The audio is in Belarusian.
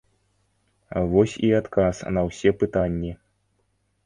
Вось і адказ на ўсе пытанні.